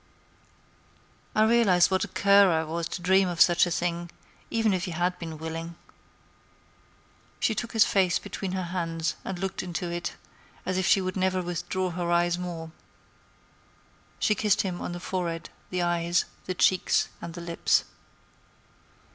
"I realized what a cur I was to dream of such a thing, even if you had been willing." She took his face between her hands and looked into it as if she would never withdraw her eyes more. She kissed him on the forehead, the eyes, the cheeks, and the lips.